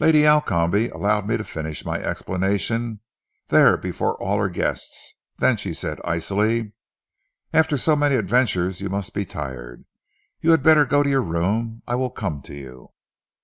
Lady Alcombe allowed me to finish my explanation, there before all her guests, then she said icily "'After so many adventures you must be tired. You had better go to your room. I will come to you.